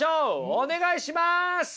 お願いします！